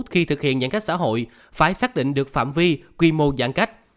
khi thực hiện giãn cách xã hội phải xác định được phạm vi quy mô giãn cách